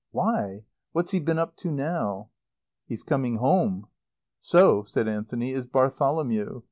"Why? What's he been up to now?" "He's coming home." "So," said Anthony, "is Bartholomew.